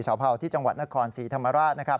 สาวเผ่าที่จังหวัดนครศรีธรรมราช